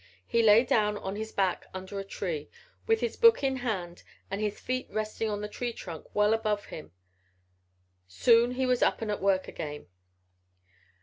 He lay down on his back under a tree with his book in hand and his feet resting on the tree trunk well above him. Soon he was up and at work again.